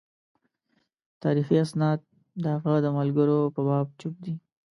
تاریخي اسناد د هغه د ملګرو په باب چوپ دي.